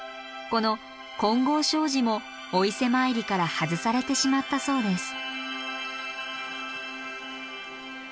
この金剛證寺もお伊勢参りから外されてしまったそうです。